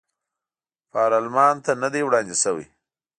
پارلمان ته نه دي وړاندې شوي.